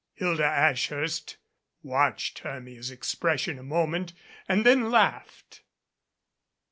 Hilda Ashhurst watched Hermia's expression a mo ment and then laughed.